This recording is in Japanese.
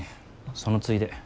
そのついで。